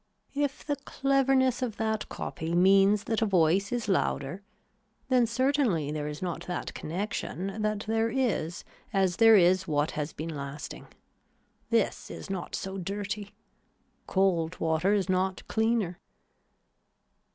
If the cleverness of that copy means that a voice is louder then certainly there is not that connection that there is as there is what has been lasting. This is not so dirty. Cold water is not cleaner.